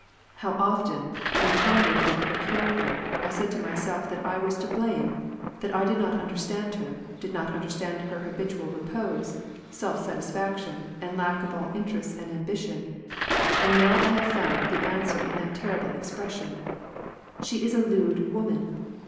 How often, when pondering over her character, I said to my self that I was to blame, that I did not understand her, did not understand her habitual repose, self satisfaction, and lack of all interests and ambition, and now I#ave found the answer in that terrible expression : she is a lewd woman.